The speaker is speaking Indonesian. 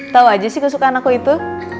tahu aja sih kesukaan aku itu